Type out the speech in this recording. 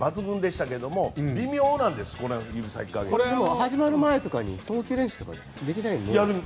始まる前に投球練習とかできないんですか。